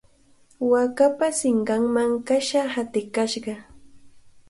Waakapa sinqanman kasha hatikashqa.